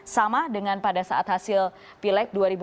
sama dengan pada saat hasil pilek